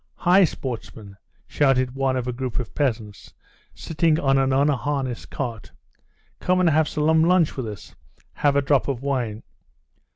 "Hi, sportsmen!" shouted one of a group of peasants, sitting on an unharnessed cart; "come and have some lunch with us! Have a drop of wine!"